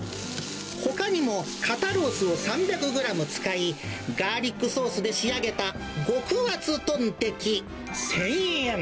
ほかにも、肩ロースを３００グラム使い、ガーリックソースで仕上げた、極厚トンテキ１０００円。